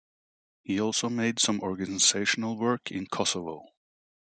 He also made some organizational work in Kosovo.